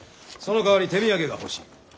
そのかわり手土産が欲しい。